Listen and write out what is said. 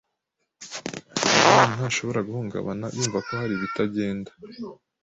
Hakizimana ntashobora guhungabana yumva ko hari ibitagenda neza.